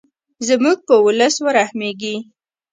زموږ په ولس ورحمیږې.